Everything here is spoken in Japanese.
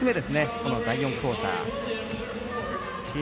この第４クオーター。